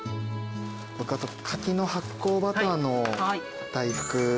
僕あと柿の発酵バターの大福。